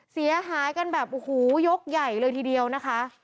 เสียหายกันแบบโอ้โหยกใหญ่เลยทีเดียวนะคะ